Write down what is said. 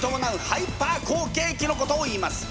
ハイパー好景気のことをいいます。